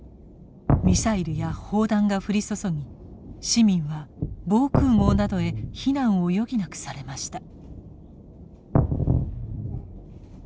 ミサイルや砲弾が降り注ぎ市民は防空壕などへ避難を余儀なくされました。